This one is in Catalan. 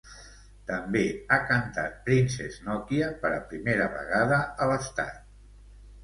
També ha cantat Princess Nokia, per primera vegada a l'estat.